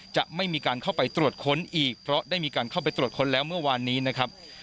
จะไม่มีการเข้าไปตรวจค้นอีกเพราะได้มีการเข้าไปตรวจค้นแล้วเมื่อวานนี้นะครับ